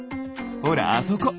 ほらあそこ。